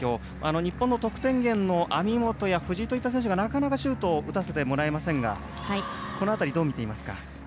日本の得点源の網本や藤井といった選手がなかなかシュートを打たせてもらえませんがこの辺り、どう見ていますか。